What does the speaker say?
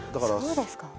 そうですか。